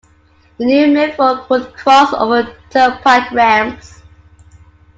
The new Milford would cross over the turnpike ramps.